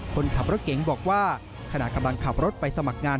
คนขับรถเก๋งบอกว่าขณะกำลังขับรถไปสมัครงาน